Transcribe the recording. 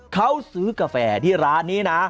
เขาซื้อกาแฟที่ร้านนี้นะ